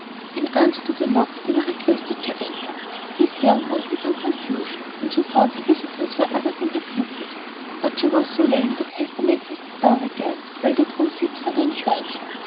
In answer to the knock, they were requested to enter. Miss Young rose in some confusion when she found her visitors were other than her pupils: but she was so lame that Hester made her sit down again, while they drew seats for themselves.